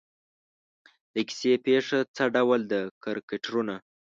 د کیسې پېښه څه ډول ده کرکټرونه.